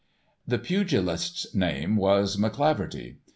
The pugilist's name was McCleaverty.